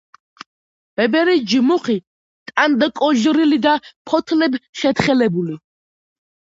ბებერი ჯმუხი ტანდაკოჟრილი და ფოთლებ შეთხელებული.